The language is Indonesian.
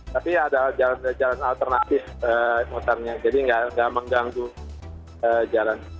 tapi ada jalan alternatif motornya jadi nggak mengganggu jalan